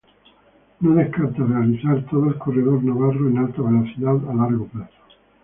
No descarta realizar todo el Corredor Navarro en Alta Velocidad a largo plazo.